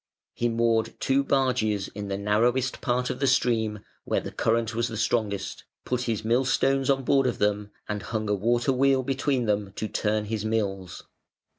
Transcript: He moored two barges in the narrowest part of the stream, where the current was the strongest, put his mill stones on board of them, and hung a water wheel between them to turn his mills.